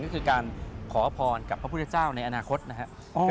ก็คือการขอพรกับพระพุทธเจ้าในอนาคตนะครับ